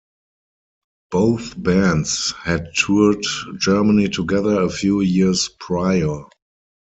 Both bands had toured Germany together a few years prior.